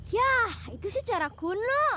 yah itu secara kuno